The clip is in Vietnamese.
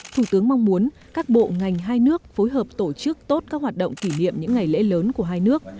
thủ tướng mong muốn các bộ ngành hai nước phối hợp tổ chức tốt các hoạt động kỷ niệm những ngày lễ lớn của hai nước